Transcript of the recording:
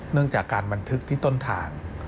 เรื่องจากการบันทึกที่ต้นทาง